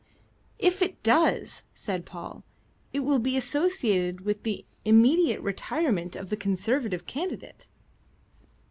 "If it does," said Paul, "it will be associated with the immediate retirement of the Conservative candidate."